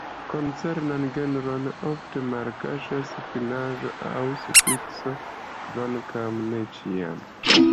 Koncernan genron ofte malkaŝas finaĵo aŭ sufikso, kvankam ne ĉiam.